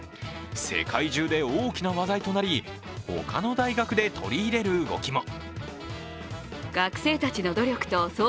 世界中で大きな話題となり、他の大学で取り入れる動きも。